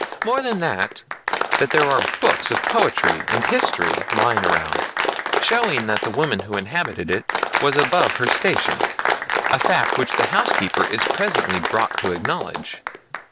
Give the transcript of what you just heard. More than that, that there are books of poetry and history lying around, showing that the woman who inhabited it was above her station; a fact which the housekeeper is presently brought to acknowledge.